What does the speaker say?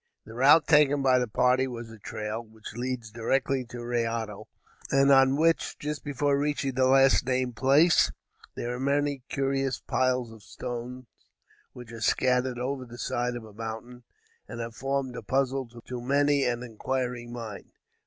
The route taken by the party was a trail, which leads direct to Rayado, and on which, just before reaching the last named place, there are many curious piles of stones, which are scattered over the side of a mountain, and have formed a puzzle to many an inquiring mind.